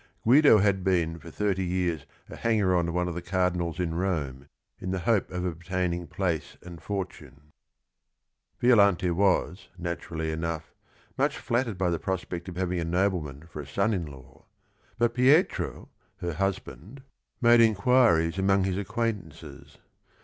Guido had been for thirty years a hanger on of one of the cardinals in Rome, in the hope of obtaining place and fortune. 14 THE RING AND THE BOOK Violante was, naturally enough, much flattered by the prospect of having a nobleman for a son in law, but Pietro, her husband, made inquiries among his acquaintances.